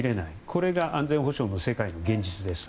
これが安全保障の世界の現実です。